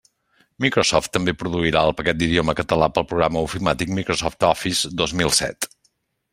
Microsoft també produirà el paquet d'idioma català pel programa ofimàtic Microsoft Office dos mil set.